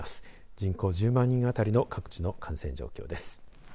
人口１０万人あたりの各地の感染状況です。